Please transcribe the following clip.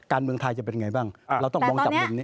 การเมืองไทยจะเป็นไงบ้างเราต้องมองจากมุมนี้